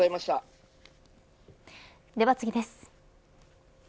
では次です。